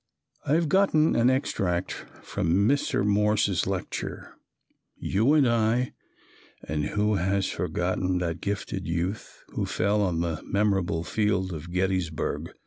I have copied an extract from Mr. Morse's lecture, "You and I": "And who has forgotten that gifted youth, who fell on the memorable field of Gettysburg?